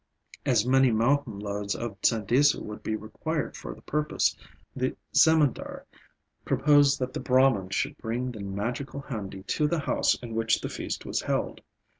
As many mountain loads of sandesa would be required for the purpose, the Zemindar proposed that the Brahman should bring the magical handi to the house in which the feast was held.